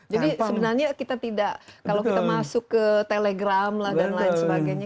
jadi sebenarnya kita tidak kalau kita masuk ke telegram dan lain sebagainya